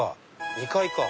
２階か。